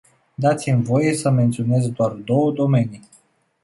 Dați-mi voie să menționez doar două domenii.